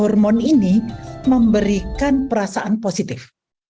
hormon ini memberikan perasaan positif